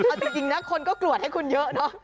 เอาจริงนะคนก็กรวดให้คุณเยอะเนอะ